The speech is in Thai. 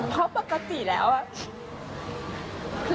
เพราะปกติแล้วอะ